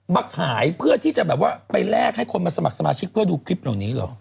มาขายเพื่อที่จะแบบว่าไปแลกให้คนมาสมัครสมาชิกเพื่อดูคลิปเหล่านี้เหรอ